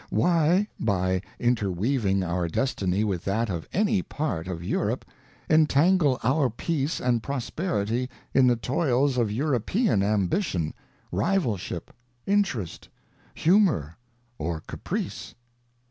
ŌĆö Why, by interweav ing our destiny with that of any part of Europe, entangle our peace and prosperity in the toils of European ambition, rivalship^ interest, humour or caprice?